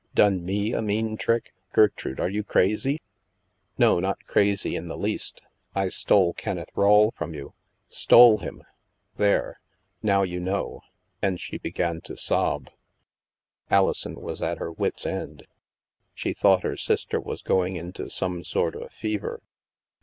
" Done me a mean trick. Gertrude, are you crazy ?"" No, not crazy in the least. I stole Kenneth Rawle from you. Stole him. There! Now you know," and she began to sob. Alison was at her wit's end. She thought her sister was going into some sort of fever.